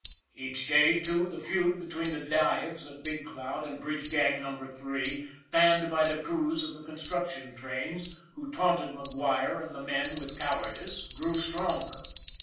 Each day, too, the feud between the dives at Big Cloud and Bridge Gang No. 3, fanned by the crews of the construction trains, who taunted McGuire and the men with cowardice, grew stronger.